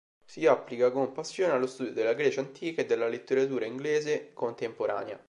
Si applica con passione allo studio della Grecia antica e della letteratura inglese contemporanea.